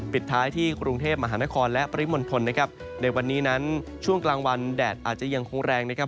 ปิดท้ายที่กรุงเทพมหานครและปริมณฑลนะครับในวันนี้นั้นช่วงกลางวันแดดอาจจะยังคงแรงนะครับ